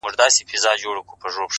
o خدايه سندرو کي مي ژوند ونغاړه؛